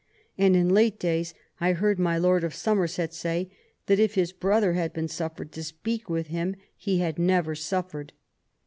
And in late days, I heard my Lord of Somerset say, that if his brother had been suffered to speak with him, he had never suffered.